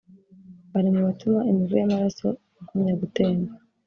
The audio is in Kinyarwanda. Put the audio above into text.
bari mu batuma imivu y’amaraso igumya gutemba